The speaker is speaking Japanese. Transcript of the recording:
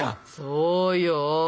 そうよ！